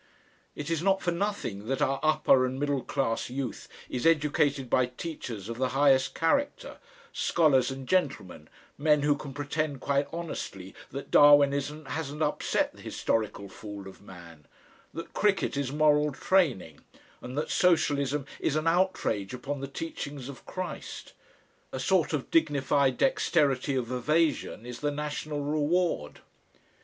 It is not for nothing that our upper and middle class youth is educated by teachers of the highest character, scholars and gentlemen, men who can pretend quite honestly that Darwinism hasn't upset the historical fall of man, that cricket is moral training, and that Socialism is an outrage upon the teachings of Christ. A sort of dignified dexterity of evasion is the national reward.